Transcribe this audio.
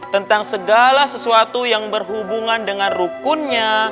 tentang segala sesuatu yang berhubungan dengan rukunnya